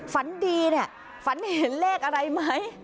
ฝันดีเนี่ยฝันเห็นเลขอะไรไหม